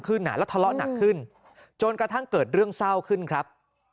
แล้วทะเลาะหนักขึ้นจนกระทั่งเกิดเรื่องเศร้าขึ้นครับ